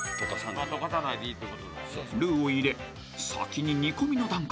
［ルウを入れ先に煮込みの段階］